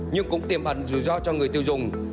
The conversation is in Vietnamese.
nhưng cũng tiềm ẩn rủi ro cho người tiêu dùng